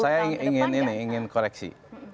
saya ingin ini ingin koreksi